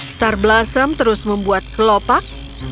star blossom terus membuat kelopak